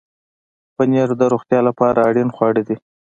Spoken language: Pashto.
پنېر د روغتیا لپاره اړین خواړه دي.